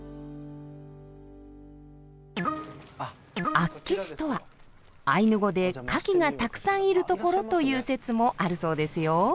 「あっけし」とはアイヌ語で「カキがたくさんいるところ」という説もあるそうですよ。